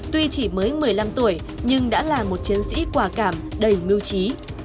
tuy chỉ mới một mươi năm tuổi nhưng đã là một chiến sĩ quả cảm đầy mưu trí